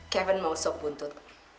kevin mau sop buntut